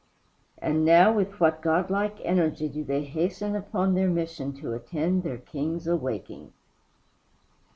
And now with what godlike energy do they hasten upon their mission to attend their king's awaking!